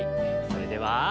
それでは。